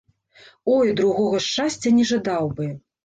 Ой, другога шчасця не жадаў бы!